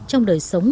trong đời sống